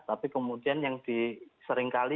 tapi kemudian yang diseringkali